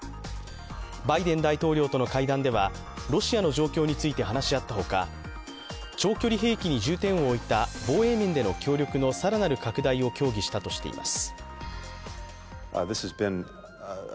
バイデン大統領との会談ではロシアの状況について話し合ったほか長距離兵器に重点を置いた防衛面での更なる拡大を協議したとしています。